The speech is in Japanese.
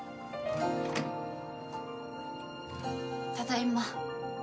ただいま。